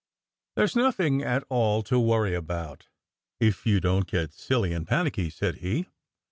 "There s nothing at all to worry about, if you don t get silly and panicky," said he.